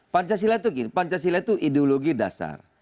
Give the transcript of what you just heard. pancasila itu ideologi dasar